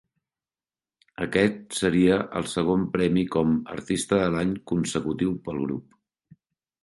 Aquest seria el segon premi com 'Artista de l'any' consecutiu pel grup.